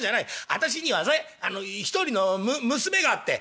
私にはね１人の娘があって」。